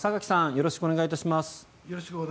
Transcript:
よろしくお願いします。